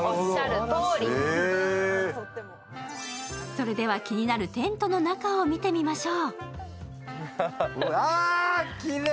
それでは気になるテントの中を見てみましょう。